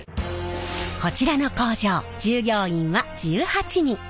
こちらの工場従業員は１８人。